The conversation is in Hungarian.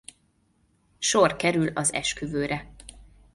Sor kerül az esküvőre.